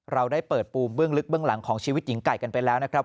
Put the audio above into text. เราได้เปิดปูมเบื้องลึกเบื้องหลังของชีวิตหญิงไก่กันไปแล้วนะครับ